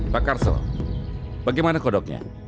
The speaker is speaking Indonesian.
pak karso bagaimana kodoknya